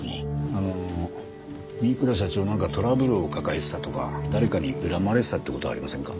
あの三倉社長なんかトラブルを抱えてたとか誰かに恨まれてたって事はありませんか？